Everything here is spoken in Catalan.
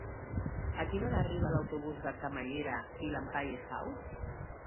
A quina hora arriba l'autobús de Camallera i Llampaies Saus?